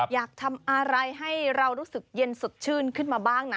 อยากทำอะไรให้เรารู้สึกเย็นสดชื่นขึ้นมาบ้างนะ